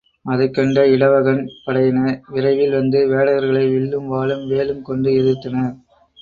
அதைக் கண்ட இடவகன் படையினர், விரைவில் வந்து வேடர்களை வில்லும் வாளும் வேலும் கொண்டு எதிர்த்தனர்.